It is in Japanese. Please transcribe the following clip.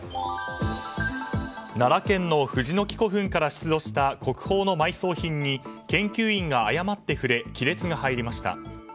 奈良県の藤ノ木古墳から出土した国宝の埋葬品に研究員が誤って触れ亀裂が入りました。